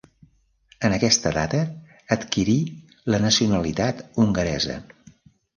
En aquesta data adquirí la nacionalitat hongaresa.